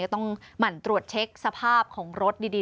ต้องหมั่นตรวจเช็คสภาพของรถดี